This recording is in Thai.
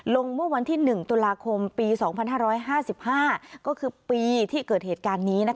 เมื่อวันที่๑ตุลาคมปี๒๕๕๕ก็คือปีที่เกิดเหตุการณ์นี้